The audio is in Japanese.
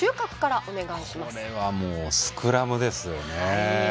これはスクラムですよね。